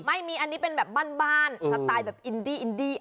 ไม่มีอันนี้เป็นแบบบ้านสไตล์แบบอินดี้อินดี้